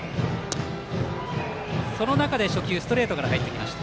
その中で初球ストレートから入ってきました。